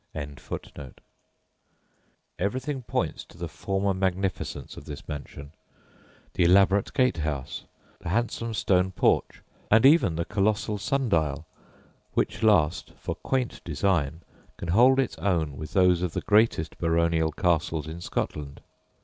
] Everything points to the former magnificence of this mansion; the elaborate gate house, the handsome stone porch, and even the colossal sundial, which last, for quaint design, can hold its own with those of the greatest baronial castles in Scotland.